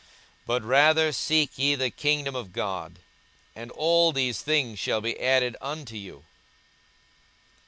42:012:031 But rather seek ye the kingdom of God; and all these things shall be added unto you.